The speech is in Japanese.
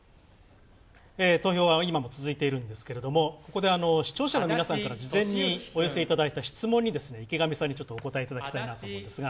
投票は今も続いているんですけどもここで、視聴者の皆さんから事前にお寄せいただいた質問に池上さんにお答えいただきたいなと思うんですが。